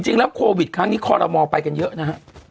จริงแล้วโควิดครั้งนี้คอรมอลไปกันเยอะนะฮะ